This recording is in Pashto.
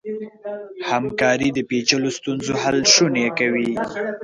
همکاري د پېچلو ستونزو حل شونی کوي.